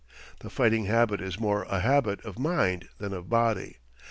The fighting habit is more a habit of mind than of body.